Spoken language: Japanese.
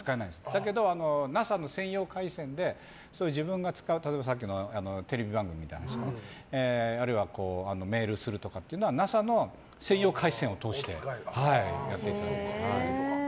だけど、ＮＡＳＡの専用回線で自分が使う例えばテレビ番組みたいなのとかあるいはメールするとかっていうのはＮＡＳＡの専用回線を通してやってます。